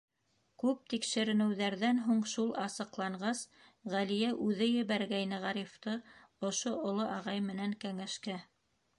Күп тикшеренеүҙәрҙән һуң шул асыҡланғас, Ғәлиә үҙе ебәргәйне Ғарифты ошо оло ағай менән кәңәшкә.